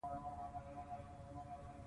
هغوی یوه کورنۍ په یوه کوټه کې ایساره کړې وه